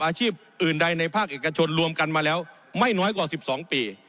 อาชีพอื่นใดในภาคเอกชนรวมกันมาแล้วไม่น้อยกว่า๑๒ปี